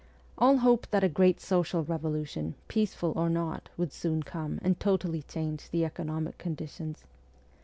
All hoped that a great social revolution, peaceful or not, would soon come and totally change the economic conditions.